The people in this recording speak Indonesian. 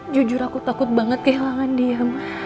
jujur aku takut banget kehilangan dia